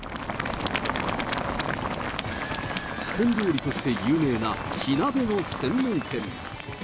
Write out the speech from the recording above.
四川料理として有名な火鍋の専門店。